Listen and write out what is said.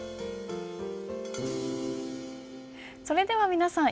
それでは皆さん